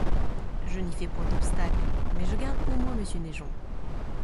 Je n'y fais point obstacle, mais je garde pour moi monsieur Naigeon.